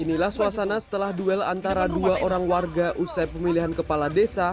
inilah suasana setelah duel antara dua orang warga usai pemilihan kepala desa